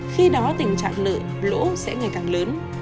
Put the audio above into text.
khi đó tình trạng nợ lỗ sẽ ngày càng lớn